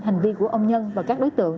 hành vi của ông nhân và các đối tượng